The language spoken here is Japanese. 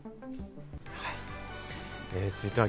続いては。